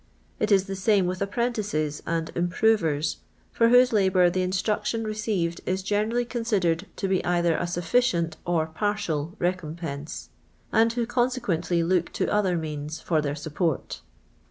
It is the same with apprentices and " improvers," for whose labour the instruction received is generally considered tu be either a sufficient or partial recompense, and who consequently look to other means for their support.